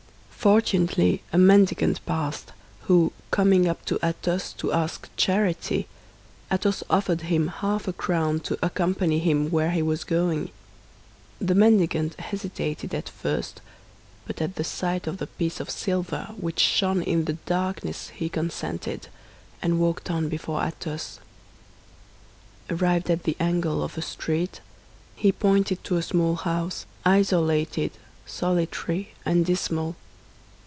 Fortunately, a mendicant passed, who, coming up to Athos to ask charity, Athos offered him half a crown to accompany him where he was going. The mendicant hesitated at first, but at the sight of the piece of silver which shone in the darkness he consented, and walked on before Athos. Arrived at the angle of a street, he pointed to a small house, isolated, solitary, and dismal.